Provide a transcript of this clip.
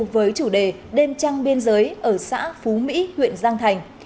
với chủ đề đêm trăng biên giới ở xã phú mỹ huyện giang thành